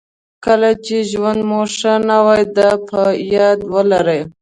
کله چې ژوند مو ښه نه وي دا په یاد ولرئ.